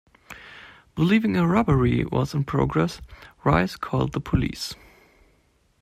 Believing a robbery was in progress, Rice called the police.